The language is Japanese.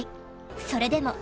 それでも。